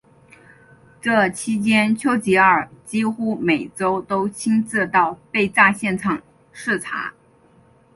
这期间丘吉尔几乎每周都亲自到被炸现场视察。